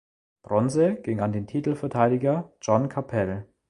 Bronze ging an den Titelverteidiger John Capel.